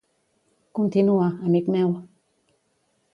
Continua, amic meu.